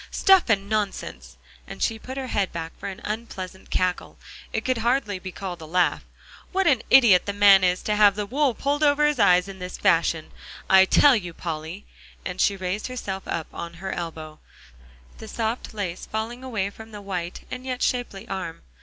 "Stuff and nonsense," and she put her head back for an unpleasant cackle; it could hardly be called a laugh. "What an idiot the man is to have the wool pulled over his eyes in this fashion. I'll tell you, Polly" and she raised herself up on her elbow, the soft lace falling away from the white, and yet shapely arm.